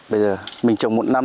bây giờ mình trồng một năm